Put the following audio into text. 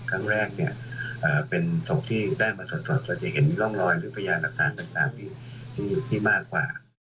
ครั้งแรกเนี่ยเป็นศพที่ได้มาตรวจสอบเราจะเห็นร่องรอยหรือพยานหลักฐานต่างอยู่ที่มากกว่า